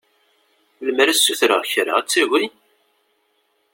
Lemmer ad s-ssutreɣ kra ad tagi?